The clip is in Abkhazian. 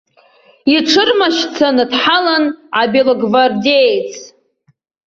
Иҽырмашьцаны дҳалан абелогвардеец.